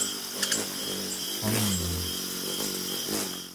wangnun